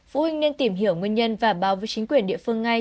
phụ huynh nên tìm hiểu nguyên nhân và báo với chính quyền địa phương ngay